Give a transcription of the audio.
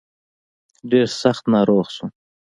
ډېر سخت ناروغ شوم.